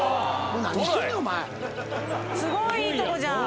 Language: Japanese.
すごいいいとこじゃん。